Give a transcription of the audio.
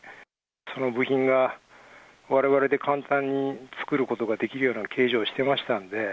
その部品が、われわれで簡単に作ることができるような形状してましたんで。